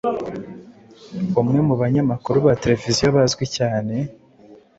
umwe mu banyamakuru ba televiziyo bazwi cyane